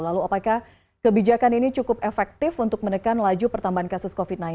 lalu apakah kebijakan ini cukup efektif untuk menekan laju pertambahan kasus covid sembilan belas